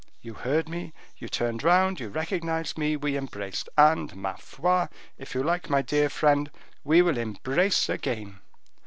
You heard me, you turned round, you recognized me, we embraced; and, ma foi! if you like, my dear friend, we will embrace again."